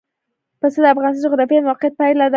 پسه د افغانستان د جغرافیایي موقیعت پایله ده.